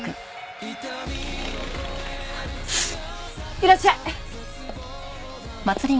いらっしゃい。